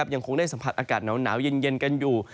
ยังคงได้สัมผัสอากาศหนาวเย็นกันอยู่